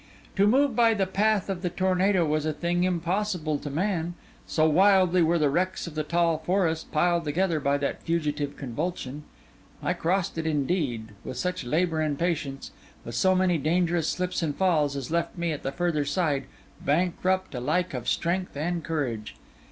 To move by the path of the tornado was a thing impossible to man, so wildly were the wrecks of the tall forest piled together by that fugitive convulsion. I crossed it indeed; with such labour and patience, with so many dangerous slips and falls, as left me, at the further side, bankrupt alike of strength and courage.